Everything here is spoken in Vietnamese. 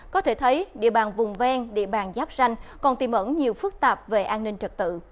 có thể thấy địa bàn vùng ven địa bàn giáp ranh còn tìm ẩn nhiều phức tạp về an ninh trật tự